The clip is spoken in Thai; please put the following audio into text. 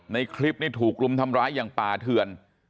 ในคลิปนี้ถูกรุมทำร้ายอย่างป่าเทือน